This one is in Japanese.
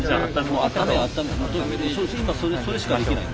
今それしかできない。